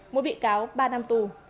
mỗi bị cáo ba năm tù